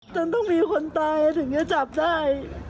จนต้องมีคนตายถึงจะจับได้